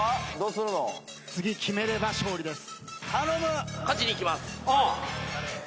次決めれば勝利です。